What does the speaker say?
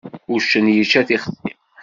Uccen yečča tixsi.